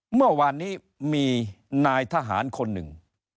เมื่อวานนี้มีนายทหารคนหนึ่ง